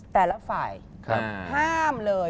แต่ละฝ่ายห้ามเลย